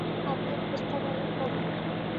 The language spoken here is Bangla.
আপনার প্রস্তাব অনেক বড়ো।